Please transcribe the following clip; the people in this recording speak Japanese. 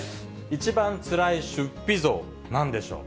一番つらい出費増、なんでしょう。